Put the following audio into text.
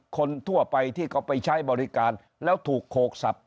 คนทั่วไปที่เขาไปใช้บริการแล้วถูกโขกสับ